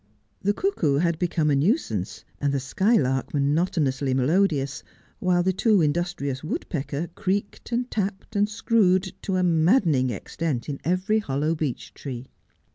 The cuckoo had become a nuisance, and the skylark monotonously melodious, while the too industrious woodpecker creaked and tapped and screwed to a maddening extent in every hollow beech tree.